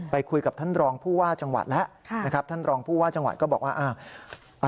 ไปคุยกับท่านดรองผู้ว่าจังหวัดแล้วท่านดรองผู้ว่าจังหวัดก็บอกว่า